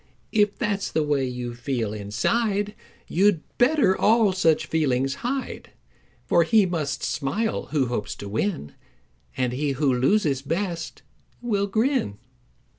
If that's the way you feel inside You'd better all such feelings hide; For he must smile who hopes to win, And he who loses best will grin."